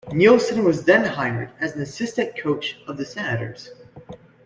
Neilson was then hired as an assistant coach of the Senators.